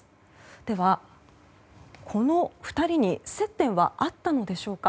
では、この２人に接点はあったのでしょうか。